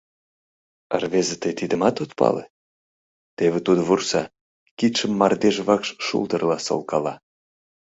Разве тый тидымат от пале? — теве тудо вурса, кидшым мардеж вакш шулдырла солкала.